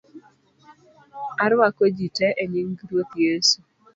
Arwako ji tee enying Ruoth Yesu